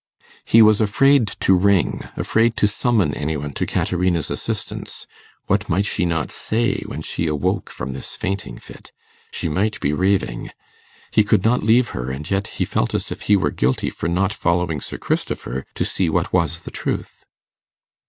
He was afraid to ring afraid to summon any one to Caterina's assistance. What might she not say when she awoke from this fainting fit? She might be raving. He could not leave her, and yet he felt as if he were guilty for not following Sir Christopher to see what was the truth.